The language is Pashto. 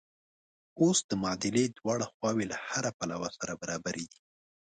اوس د معادلې دواړه خواوې له هره پلوه سره برابرې دي.